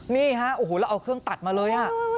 นี่ฮะโอ้โหแล้วเอาเครื่องตัดมาเลย